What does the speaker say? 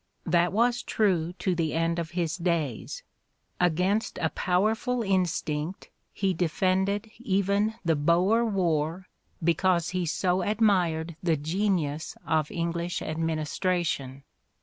That was true to the end of his days ; against a powerful instinct he defended even the Boer War because he so admired the genius of English administration.